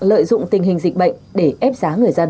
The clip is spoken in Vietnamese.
lợi dụng tình hình dịch bệnh để ép giá người dân